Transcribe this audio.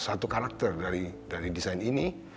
satu karakter dari desain ini